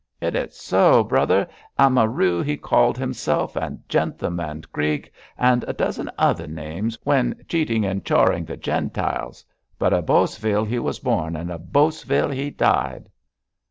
'It is so, brother. Amaru he called himself, and Jentham and Creagth, and a dozen other names when cheating and choring the Gentiles. But a Bosvile he was born, and a Bosvile he died.'